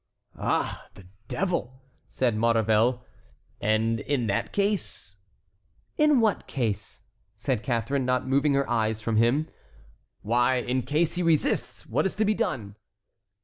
"Ah! the devil!" said Maurevel; "and in that case"— "In what case?" said Catharine, not moving her eyes from him. "Why, in case he resists, what is to be done?"